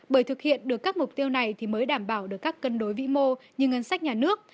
bởi thực hiện được các mục tiêu này thì mới đảm bảo được các cân đối vĩ mô như ngân sách nhà nước